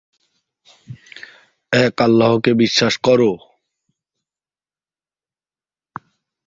এটি দেশভেদে ভিন্ন হয়।